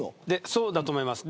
そうだと思います